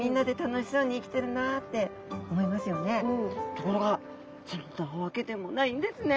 ところがそんなわけでもないんですね。